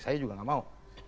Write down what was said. saya juga gak mau